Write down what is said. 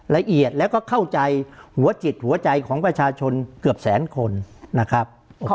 ละเอียดแล้วก็เข้าใจหัวจิตหัวใจของประชาชนเกือบแสนคนนะครับ